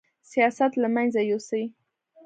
سیاست له منځه یوسي